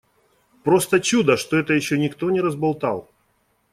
Просто чудо, что это ещё никто не разболтал.